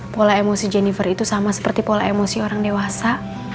pola emosi jennifer itu sama seperti pola emosi orang dewasa